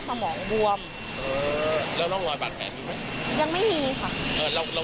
สมองบวมเออแล้วน้องลอยบาดแขนดูไหมยังไม่มีค่ะเออเราเรา